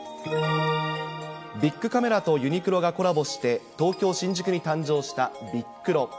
ビックカメラとユニクロがコラボして、東京・新宿に誕生したビックロ。